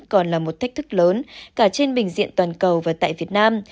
còn là một thách thức lớn cả trên bình diện toàn cầu và tại việt nam